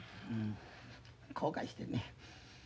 後悔してんねや。